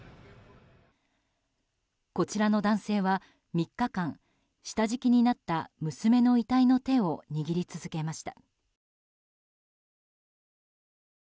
こちらの男性は、３日間下敷きになった娘の遺体の手を握り続けました。